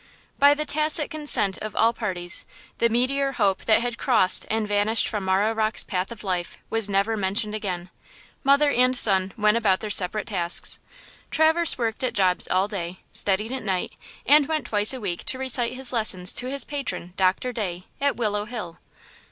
BY the tacit consent of all parties, the meteor hope that had crossed and vanished from Marah Rocke's path of life was never mentioned again. Mother and son went about their separate tasks. Traverse worked at jobs all day, studied at night and went twice a week to recite his lessons to his patron, Doctor Day, at Willow Hill.